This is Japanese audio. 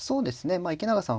まあ池永さん